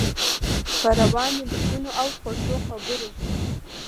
په روانو لیکنو او خوږو خبرو.